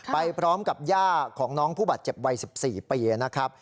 ไปพร้อมกับย่าของน้องผู้บาดเจ็บวัย๑๔ปีนะครับ